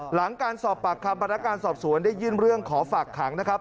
หลังการสอบปากคำพนักงานสอบสวนได้ยื่นเรื่องขอฝากขังนะครับ